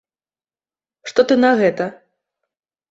Што ты на гэта?